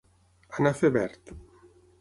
Anar a fer verd.